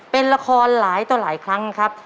เป็นละครหลายต่อหลายครั้งครับ